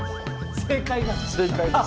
正解です。